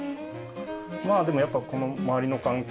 まあでもやっぱりこの周りの環境。